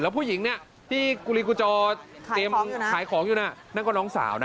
แล้วผู้หญิงเนี่ยที่กุริกุโจร